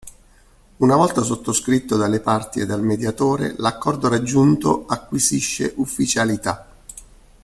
Una volta sottoscritto dalle parti e dal Mediatore, l'accordo raggiunto acquisisce ufficialità.